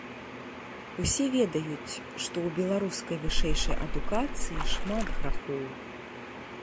Усе ведаюць, што ў беларускай вышэйшай адукацыі шмат грахоў.